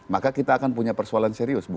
maka kita akan punya persoalan serius